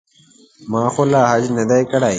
ما خو لا حج نه دی کړی.